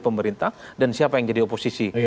pemerintah dan siapa yang jadi oposisi